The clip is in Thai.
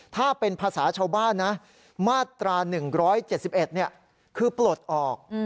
ถ้าเป็นภาษาชาวบ้านนะมาตรา๑๗๑คือปลดออก